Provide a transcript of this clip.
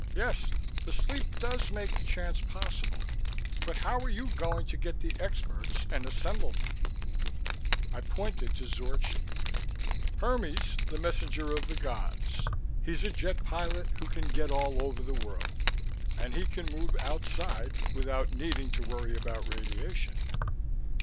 "Yes, the sleep does make the chance possible. But how are you going to get the experts and assemble them?" I pointed to Zorchi. "Hermes, the messenger of the gods. He's a jet pilot who can get all over the world. And he can move outside, without needing to worry about radiation."